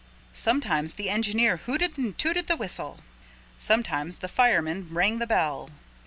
Sometimes the engineer hooted and tooted the whistle. Sometimes the fireman rang the bell.